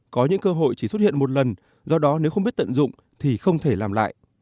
có những cơ hội chỉ xuất hiện một lần do đó nếu không biết tận dụng thì không thể làm lại